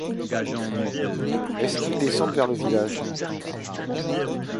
Est-ce qu’ils descendent vers le village ?